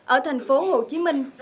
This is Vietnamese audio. ở thành phố hồ chí minh